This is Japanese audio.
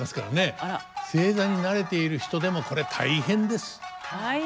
正座に慣れている人でもこれ大変です。